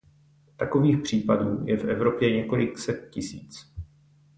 Takových případů je v Evropě několik set tisíc.